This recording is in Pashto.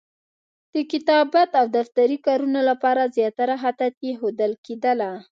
د کتابت او دفتري کارونو لپاره زیاتره خطاطي ښودل کېدله.